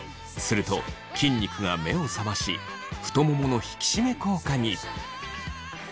すると筋肉が目を覚まし太ももの引き締め効果に。